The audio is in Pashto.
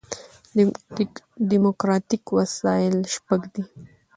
ډیموکراټیک وسایل شپږ دي.